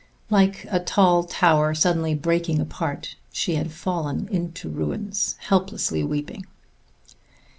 Like a tall tower suddenly breaking apart she had fallen in ruins, helplessly weeping.